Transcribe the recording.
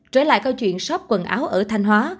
trở lại câu chuyện shop quần áo ở thanh hóa